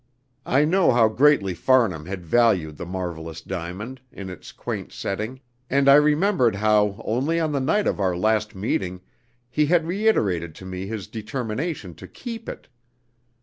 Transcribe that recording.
I know how greatly Farnham had valued the marvellous diamond, in its quaint setting, and I remembered how, only on the night of our last meeting, he had reiterated to me his determination to keep it.